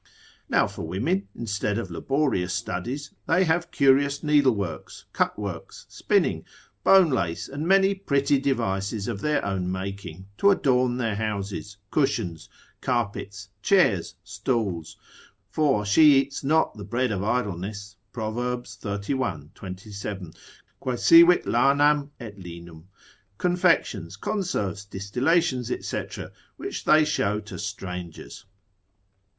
Now for women, instead of laborious studies, they have curious needleworks, cut works, spinning, bone lace, and many pretty devices of their own making, to adorn their houses, cushions, carpets, chairs, stools, (for she eats not the bread of idleness, Prov. xxxi. 27. quaesivit lanam et linum) confections, conserves, distillations, &c., which they show to strangers.